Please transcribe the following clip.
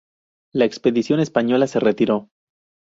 La expedición española se retiró.